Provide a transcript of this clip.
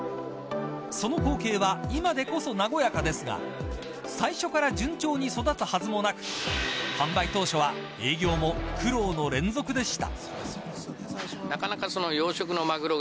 その光景は今でこそ和やかですが最初から順調に育つはずもなく販売当初は営業も苦労の連続でした。